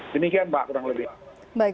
demikian mbak kurang lebih